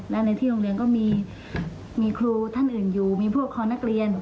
และในที่โรงเรียนก็มีครูท่านอื่นอยู่มีพวกคอนักเรียน